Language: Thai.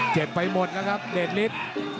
เจ็บไปหมดนะครับเดนลิส